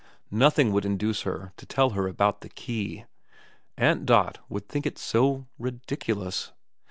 Nothing would induce her to tell her about the key. Aunt Dot would think it so ridiculous.